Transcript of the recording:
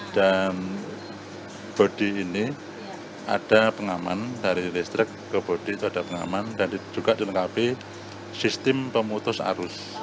dan bodi ini ada pengaman dari listrik ke bodi itu ada pengaman dan juga dilengkapi sistem pemutus arus